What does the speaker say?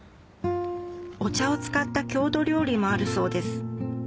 お茶を使った郷土料理もあるそうです